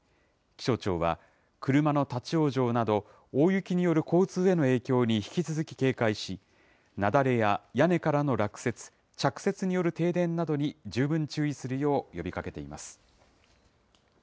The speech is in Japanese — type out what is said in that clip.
気象庁は車の立往生など、大雪による交通への影響に引き続き警戒し、雪崩や屋根からの落雪、着雪による停電などに十分注意するよう呼びかけています。